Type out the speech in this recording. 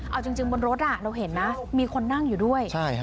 เอาจริงจริงบนรถอ่ะเราเห็นนะมีคนนั่งอยู่ด้วยใช่ค่ะ